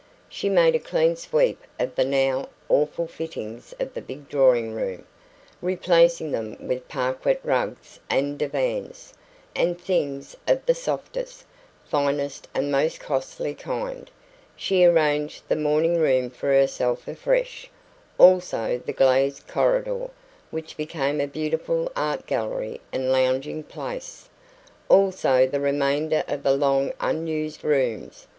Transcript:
She made a clean sweep of the now 'awful' fittings of the big drawing room, replacing them with parquet rugs and divans, and things of the softest, finest and most costly kind; she arranged the morning room for herself afresh; also the glazed corridor, which became a beautiful art gallery and lounging place; also the remainder of the long unused rooms.